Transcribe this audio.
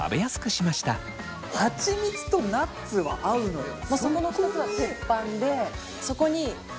はちみつとナッツは合うのよ。